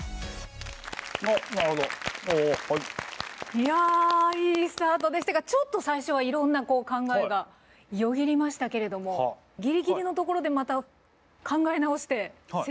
いやいいスタートでしたがちょっと最初はいろんな考えがよぎりましたけれどもぎりぎりのところでまた考え直して正解にっていう。